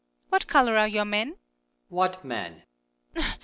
What colour are your men ? Moon. What men